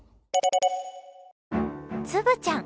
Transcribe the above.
つぶちゃん